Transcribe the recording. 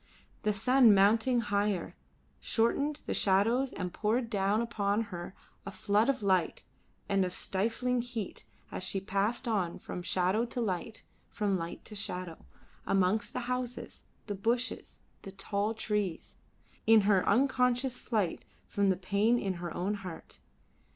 The sun mounting higher, shortened the shadows and poured down upon her a flood of light and of stifling heat as she passed on from shadow to light, from light to shadow, amongst the houses, the bushes, the tall trees, in her unconscious flight from the pain in her own heart.